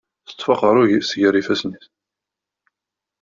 Teṭṭef aqerru-s gar yifassen-is.